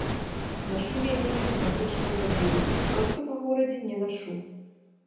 Нашу яе на тэматычныя падзеі, проста па горадзе не нашу.